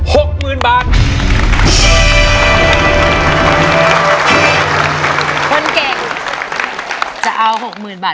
หกหมื่นบาทหกมื่นบาท